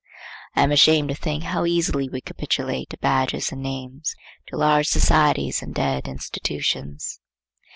I am ashamed to think how easily we capitulate to badges and names, to large societies and dead institutions.